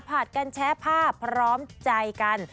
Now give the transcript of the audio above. ผัดกันแชร์ภาพพร้อมใจกัน